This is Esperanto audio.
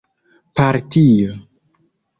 partio